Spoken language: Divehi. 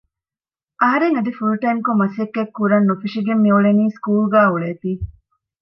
އަހަރެން އަދި ފުލް ޓައިމްކޮށް މަސައްކަތްކުރަން ނުފެށިގެން މިއުޅެނީ ސްކޫލުގައި އުޅޭތީ